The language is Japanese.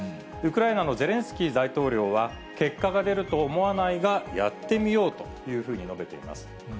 ウクライナのゼレンスキー大統領は、結果が出ると思わないがやってみようというふうに述べています。